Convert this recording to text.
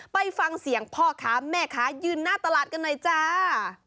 ไปฟังเสียงพ่อค้าแม่ค้ายืนหน้าตลาดกันหน่อยจ้า